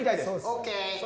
ＯＫ！